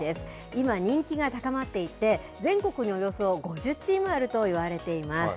今、人気が高まっていて、全国におよそ５０チームあるといわれています。